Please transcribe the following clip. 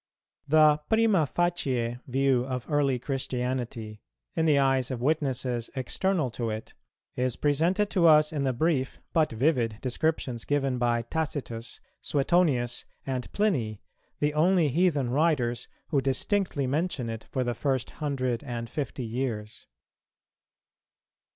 The primâ facie view of early Christianity, in the eyes of witnesses external to it, is presented to us in the brief but vivid descriptions given by Tacitus, Suetonius, and Pliny, the only heathen writers who distinctly mention it for the first hundred and fifty years.